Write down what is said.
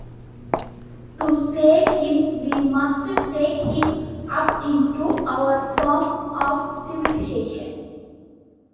To save him we must take him up into our form of civilization.